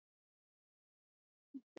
افغانستان د کوچیان د ساتنې لپاره قوانین لري.